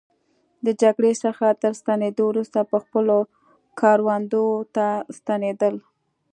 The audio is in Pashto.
د جګړې څخه تر ستنېدو وروسته به خپلو کروندو ته ستنېدل.